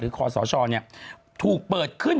หรือคอสชเนี่ยถูกเปิดขึ้น